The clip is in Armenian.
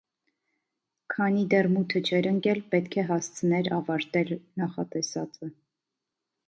Քանի դեռ մութը չէր ընկել, պետք է հասցներ ավարտել նախատեսածը: